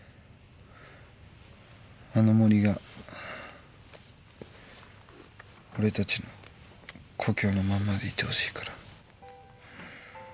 あの森が俺たちの故郷のまんまでいてほしいから。